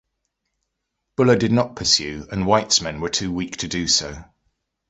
Buller did not pursue, and White's men were too weak to do so.